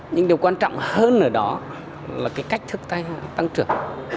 nhưng điều quan trọng hơn ở đó là cái cách thức tăng trưởng